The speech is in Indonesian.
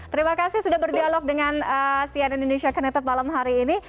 terima kasih sudah berdialog dengan cn indonesia connected malam hari ini